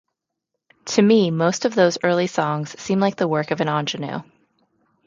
To me, most of those early songs seem like the work of an ingenue.